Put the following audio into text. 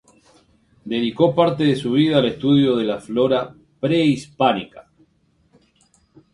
Dedicó parte de su vida al estudio de la flora prehispánica.